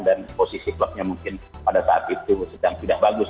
dan posisi klubnya mungkin pada saat itu tidak bagus